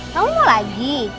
kamu mau lagi